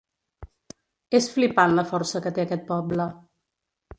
És flipant la força que té aquest poble.